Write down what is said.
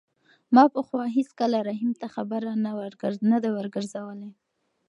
ما پخوا هېڅکله رحیم ته خبره نه ده ورګرځولې.